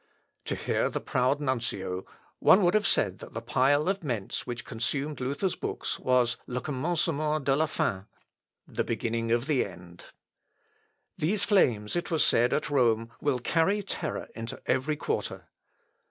To hear the proud nuncio, one would have said that the pile of Mentz which consumed Luther's books was "le commencement de la fin" (the beginning of the end.) These flames, it was said at Rome, will carry terror into every quarter.